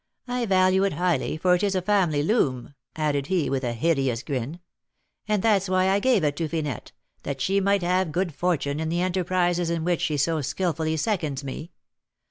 I value it highly, for it is a family loom," added he, with a hideous grin; "and that's why I gave it to Finette, that she might have good fortune in the enterprises in which she so skilfully seconds me.